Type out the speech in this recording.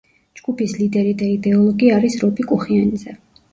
ჯგუფის ლიდერი და იდეოლოგი არის რობი კუხიანიძე.